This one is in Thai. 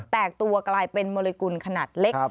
แตกตัวกลายเป็นมลิกุลขนาดเล็ก